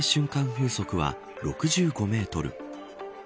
風速は６５メートル。